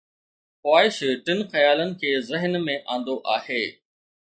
خواهش ٽن خيالن کي ذهن ۾ آندو آهي